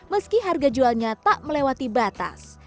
meski harga jualnya tak melewati batas